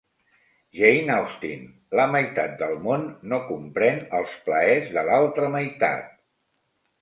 Jane Austen: la meitat del món no comprèn els plaers de l'altra meitat.